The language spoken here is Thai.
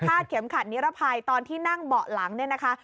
เข็มขัดนิรภัยตอนที่นั่งเบาะหลังเนี่ยนะคะ